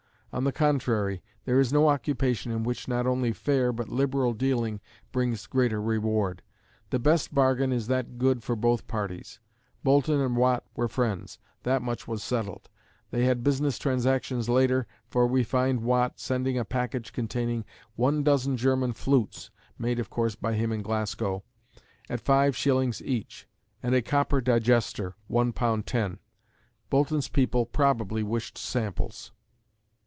On the contrary, there is no occupation in which not only fair but liberal dealing brings greater reward. The best bargain is that good for both parties. Boulton and Watt were friends. That much was settled. They had business transactions later, for we find Watt sending a package containing "one dozen German flutes" (made of course by him in Glasgow), "at 5s. each, and a copper digester, _£_1:10." Boulton's people probably wished samples.